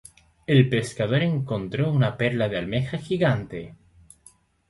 El pescador encontró una perla en una almeja gigante.